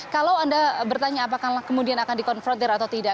kalau anda bertanya apakah kemudian akan dikonfrontir atau tidak